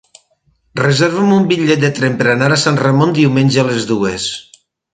Reserva'm un bitllet de tren per anar a Sant Ramon diumenge a les dues.